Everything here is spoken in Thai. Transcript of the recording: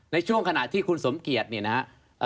ในช่วงขณะที่คุณสมเกียจเนี่ยนะฮะ